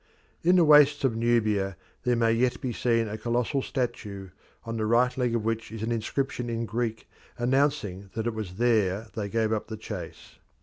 In the wastes of Nubia there may yet be seen a colossal statue, on the right leg of which is an inscription in Greek announcing that it was there they gave up the chase.